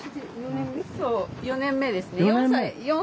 そう４年目ですね。